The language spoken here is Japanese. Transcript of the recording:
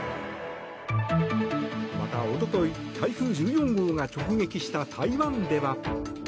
また、おととい台風１４号が直撃した台湾では。